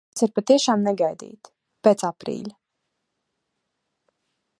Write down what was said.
Tas ir patiešām negaidīti – pēc aprīļa.